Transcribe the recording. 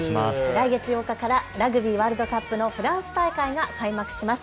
来月８日からラグビーワールドカップのフランス大会が開幕します。